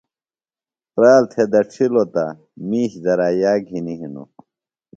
پرال تھےۡ دڇِھلوۡ تہ مِیش درائِیا گِھنیۡ ہِنوۡ۔